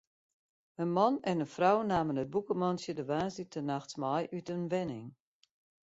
In man en in frou namen it bûkemantsje de woansdeitenachts mei út in wenning.